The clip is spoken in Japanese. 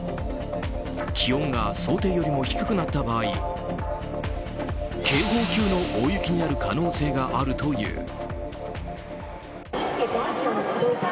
気温が想定よりも低くなった場合警報級の大雪になる可能性があるという。